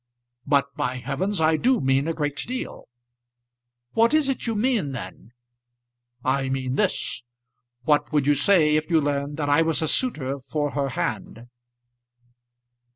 "But, by heavens! I do mean a great deal." "What is it you mean, then?" "I mean this What would you say if you learned that I was a suitor for her hand?"